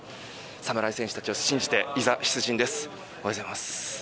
侍選手たちを信じていざ出陣です。